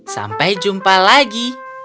sampai jumpa lagi